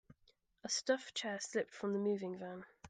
A stuffed chair slipped from the moving van.